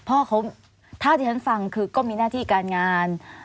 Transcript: พ่อเขาถ้าที่ฉันฟังคือก็มีหน้าที่การงาน